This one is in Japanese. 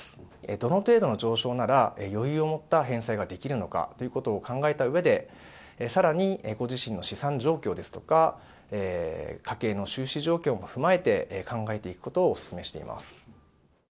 どの程度の上昇なら、余裕を持った返済ができるのかということを考えたうえで、さらに、ご自身の資産状況ですとか、家計の収支状況も踏まえて、考えていくことをお勧めしています。